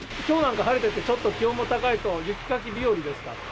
きょうなんか晴れてて、ちょっと気温も高いと雪かき日和ですか。